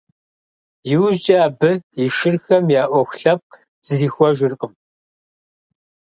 Иужькӏэ абы и шырхэм я ӏуэху лъэпкъ зрихуэжыркъым.